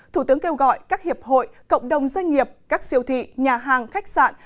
thủ tướng kêu gọi các hiệp hội cộng đồng doanh nghiệp các siêu thị nhà hàng khách sạn